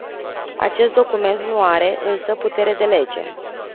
Acest document nu are, însă, putere de lege.